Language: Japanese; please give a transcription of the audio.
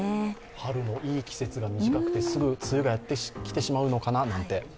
春のいい季節が短くて、すぐ梅雨がやってきてしまうのかななんて。